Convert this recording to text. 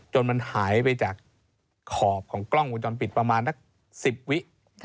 มันหายไปจากขอบของกล้องวงจรปิดประมาณนัก๑๐วิ